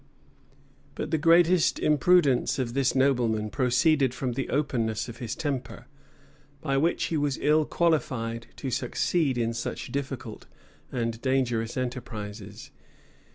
But the greatest imprudence of this nobleman proceeded from the openness of his temper, by which he was ill qualified to succeed in such difficult, and dangerous enterprises.